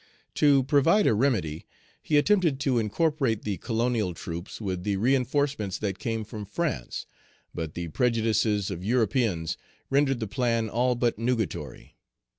To provide a remedy, he attempted to incorporate the colonial troops with the reinforcements that came from France, but the prejudices of Europeans rendered the plan all but nugatory.